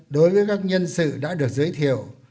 đối với các nhân sự đã được giới thiệu